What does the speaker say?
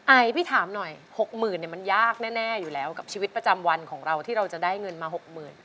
ไอพี่ถามหน่อย๖๐๐๐เนี่ยมันยากแน่อยู่แล้วกับชีวิตประจำวันของเราที่เราจะได้เงินมา๖๐๐๐บาท